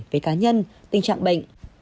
về cá nhân tình trạng bệnh